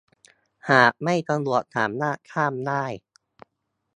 หากไม่สะดวกสามารถข้ามได้